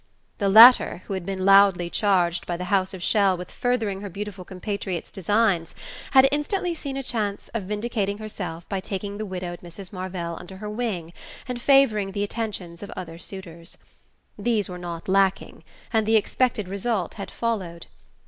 The latter, who had been loudly charged by the house of Chelles with furthering her beautiful compatriot's designs, had instantly seen a chance of vindicating herself by taking the widowed Mrs. Marvell under her wing and favouring the attentions of other suitors. These were not lacking, and the expected result had followed.